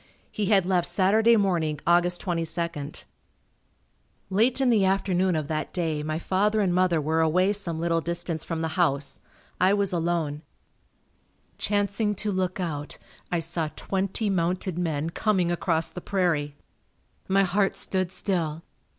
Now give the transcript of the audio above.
He had left Saturday morning, Aug. 22nd. Late in the afternoon of that day my father and mother were away some little distance from the house. I was alone. Chancing to look out I saw twenty mounted men coming across the prairie. My heart stood still.